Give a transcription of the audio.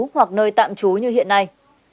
hoặc nơi tạm trú như hiện nay